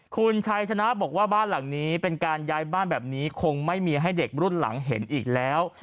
คุณชัยชนะบอกว่าบ้านหลังนี้เป็นการย้ายบ้านแบบนี้คงไม่มีให้เด็กรุ่นหลังเห็นอีกแล้ว